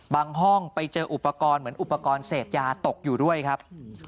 ห้องไปเจออุปกรณ์เหมือนอุปกรณ์เสพยาตกอยู่ด้วยครับ